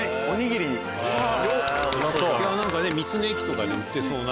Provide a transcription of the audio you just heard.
何か道の駅とかで売ってそうな。